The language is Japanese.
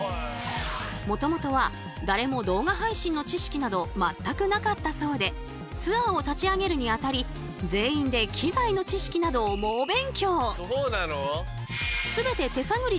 もともとは誰も動画配信の知識など全くなかったそうでツアーを立ち上げるにあたり全員で機材の知識などを猛勉強。